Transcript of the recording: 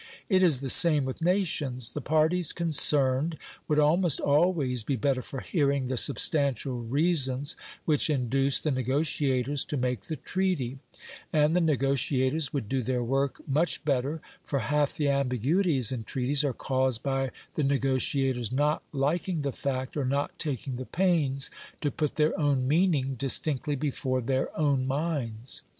It is the same with nations. The parties concerned would almost always be better for hearing the substantial reasons which induced the negotiators to make the treaty, and the negotiators would do their work much better, for half the ambiguities in treaties are caused by the negotiators not liking the fact or not taking the pains to put their own meaning distinctly before their own minds.